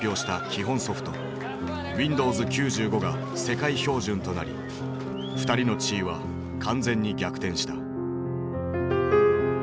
基本ソフトウィンドウズ９５が世界標準となり二人の地位は完全に逆転した。